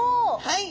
はい！